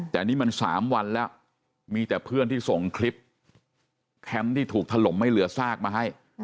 แต่นี่มัน๓วันแล้วมีแต่เพื่อนที่ส่งคลิปแคมป์ที่ถูกถล่มไม่เหลือซากมาให้